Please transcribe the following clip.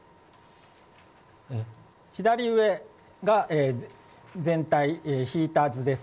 左上が全体引いた図です。